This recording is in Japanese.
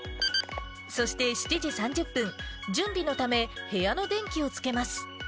そして７時３０分、準備のため部屋の電気をつけます。